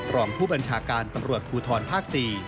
รองผู้บัญชาการตำรวจภูทรภาค๔